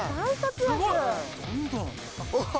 あっ！